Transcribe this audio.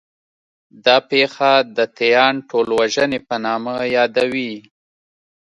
دا پېښه د 'تیان ټولوژنې' په نامه یادوي.